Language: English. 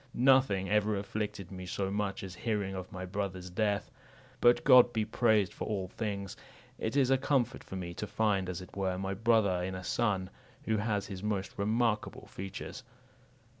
Nothing ever afflicted me so much as hearing of my brother's death. But God be praised for all things! It is a comfort for me to find, as it were, my brother in a son, who has his most remarkable features."